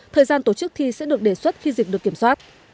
thời gian tổ chức thi sẽ được đề xuất khi dịch được kiểm soát